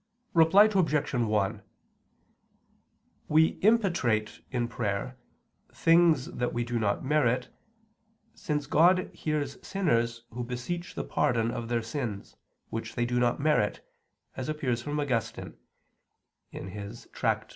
Reply Obj. 1: We impetrate in prayer things that we do not merit, since God hears sinners who beseech the pardon of their sins, which they do not merit, as appears from Augustine [*Tract.